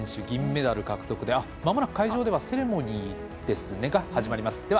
銀メダル獲得で、まもなく会場ではセレモニーが始まります。